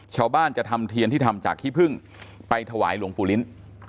ชาวบ้านจะทำเทียนที่ทำจากขี้พึ่งไปถวายหลวงปู่ลิ้น